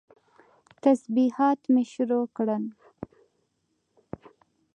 تسبيحات مې شروع کړل.